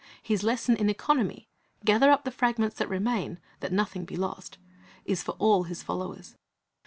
His lesson in economy, "Gather up the fragments that remain, that nothing be lost,"^ is for all His followers.